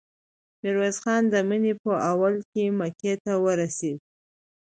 ميرويس خان د مني په اولو کې مکې ته ورسېد.